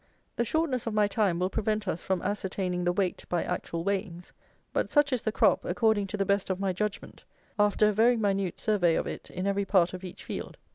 The shortness of my time will prevent us from ascertaining the weight by actual weighings; but such is the crop, according to the best of my judgment, after a very minute survey of it in every part of each field.